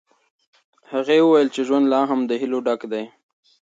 هغې وویل چې ژوند لا هم له هیلو ډک دی.